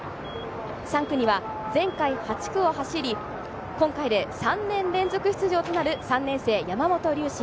３区には前回８区を走り、今回で３年連続出場となる３年生・山本龍神。